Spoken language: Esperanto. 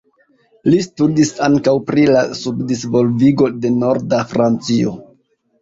Li studis ankaŭ pri la subdisvolvigo de Norda Francio.